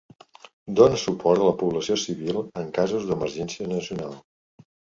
Dóna suport a la població civil en casos d'emergència nacional.